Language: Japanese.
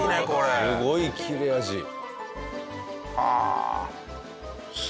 すごい切れ味。はあ。